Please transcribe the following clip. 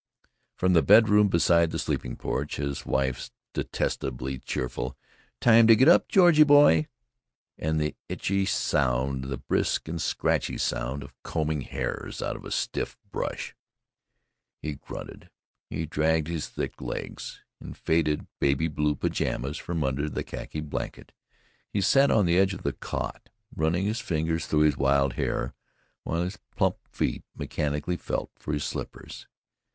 From the bedroom beside the sleeping porch, his wife's detestably cheerful "Time to get up, Georgie boy," and the itchy sound, the brisk and scratchy sound, of combing hairs out of a stiff brush. He grunted; he dragged his thick legs, in faded baby blue pajamas, from under the khaki blanket; he sat on the edge of the cot, running his fingers through his wild hair, while his plump feet mechanically felt for his slippers.